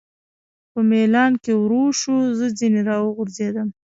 په مېلان کې ورو شو، زه ځنې را وغورځېدم.